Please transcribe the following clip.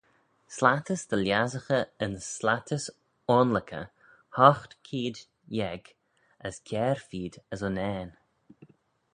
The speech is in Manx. Slattys dy lhiassaghey yn slattys oanluckey hoght keead yeig as kiare feed as unnane.